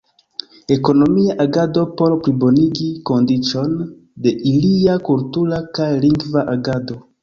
Ekonomia agado por plibonigi kondiĉon de ilia kultura kaj lingva agado.